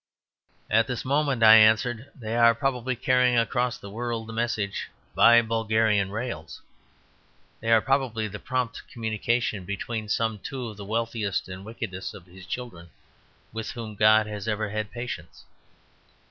"At this moment," I answered, "they are probably carrying across the world the message, 'Buy Bulgarian Rails.' They are probably the prompt communication between some two of the wealthiest and wickedest of His children with whom God has ever had patience.